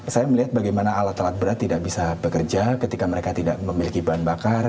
saya melihat bagaimana alat alat berat tidak bisa bekerja ketika mereka tidak memiliki bahan bakar